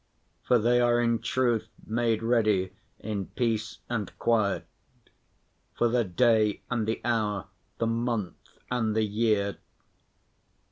For they are in truth made ready in peace and quiet "for the day and the hour, the month and the year."